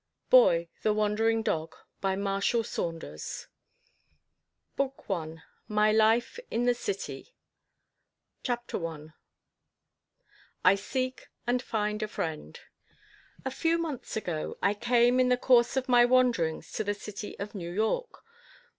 BOY, The Wandering Dog. THE WANDERING DOG BOOK ONE: MY LIFE IN THE CITY CHAPTER I I SEEK AND FIND A FRIEND A few months ago, I came in the course of my wanderings, to the city of New York.